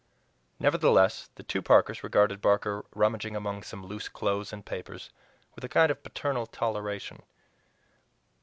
Nevertheless the two partners regarded Barker rummaging among some loose clothes and papers with a kind of paternal toleration.